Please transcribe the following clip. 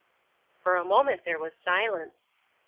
For a moment there was silence.